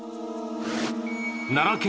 奈良県